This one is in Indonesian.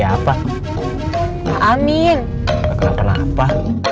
kenapa siapa amin kenapa